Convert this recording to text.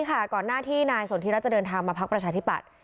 ก่อนหน้าที่นายสนทิรัฐจะเดินทางมาพักประชาธิปัตย